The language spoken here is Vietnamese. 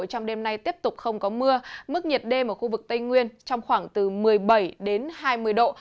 trong đêm nay tiếp tục không có mưa mức nhiệt đêm ở khu vực tây nguyên trong khoảng từ một mươi bảy đến hai mươi độ